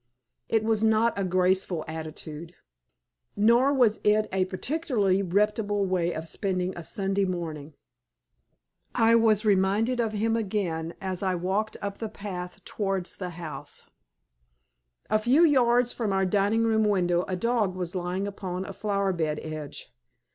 It was not a graceful attitude, nor was it a particularly reputable way of spending a Sunday morning. I was reminded of him again as I walked up the path towards the house. A few yards from our dining room window a dog was lying upon a flower bed edge.